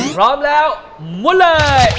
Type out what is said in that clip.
พร้อมแล้วมุนเลย